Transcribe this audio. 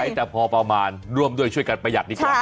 แต่พอประมาณร่วมด้วยช่วยกันประหยัดดีกว่า